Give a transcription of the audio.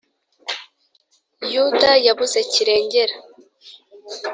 Yuda yabuze kirengera.